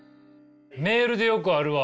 メールでよくあるわ。